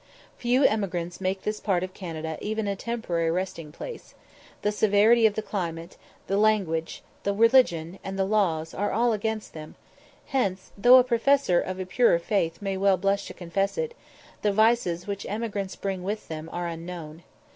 Few emigrants make this part of Canada even a temporary resting place; the severity of the climate, the language, the religion, and the laws, are all against them; hence, though a professor of a purer faith may well blush to confess it, the vices which emigrants bring with them are unknown.